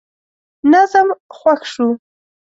نظم خوښ شو.